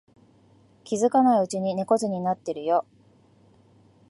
気づかないうちに猫背になってるよ